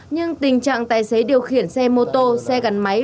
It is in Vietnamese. nhưng tình trạng tài xế điều khiển xe mô tô xe gắn máy